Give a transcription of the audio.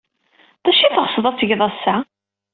D acu ay teɣsed ad tged ass-a?